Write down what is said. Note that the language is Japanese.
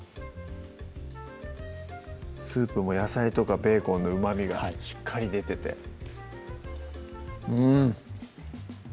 スープも野菜とかベーコンのうまみがしっかり出ててうん